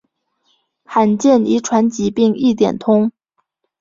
罕见遗传疾病一点通